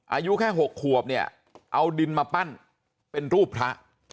อายุแค่๖ขวบเนี่ยเอาดินมาปั้นเป็นรูปพระ